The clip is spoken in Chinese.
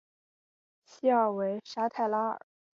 谢尔韦沙泰拉尔。